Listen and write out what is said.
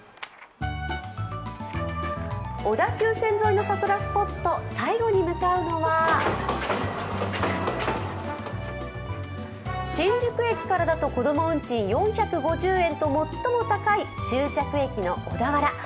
小田急線沿いの桜スポット、最後に向かうのは新宿駅からだと子供運賃４５０円と最も高い執着駅の小田原。